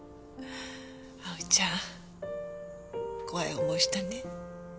葵ちゃん怖い思いしたね。